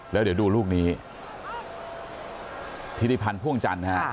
แล้วเดี๋ยวดูลูกนี้ธิริพันธ์พ่วงจันทร์ฮะ